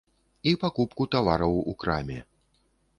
І пакупку тавараў у краме.